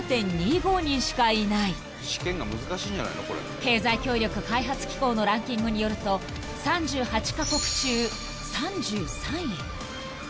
［経済協力開発機構のランキングによると３８カ国中３３位］